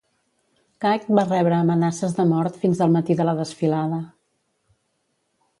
Kight va rebre amenaces de mort fins al matí de la desfilada.